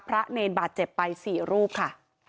พระเนรบาทเจ็บไปสี่รูปค่ะ